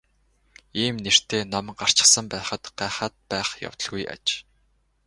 Ийм нэртэй ном гарчихсан байхад гайхаад байх явдалгүй аж.